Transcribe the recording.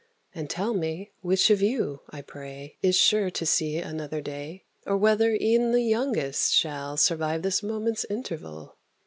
And tell me which of you, I pray, Is sure to see another day? Or whether e'en the youngest shall Survive this moment's interval?